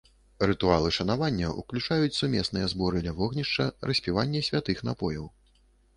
Рытуалы шанавання ўключаюць сумесныя зборы ля вогнішча, распіванне святых напояў.